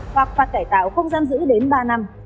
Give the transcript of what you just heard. hoặc phạt cải tạo không giam giữ đến ba năm